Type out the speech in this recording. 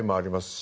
し